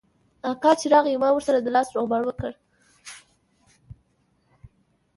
اکا چې راغى ما ورسره د لاس روغبړ وکړ.